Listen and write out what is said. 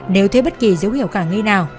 nếu thấy bất kỳ dấu hiệu khả nghi nào